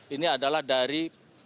ini adalah dari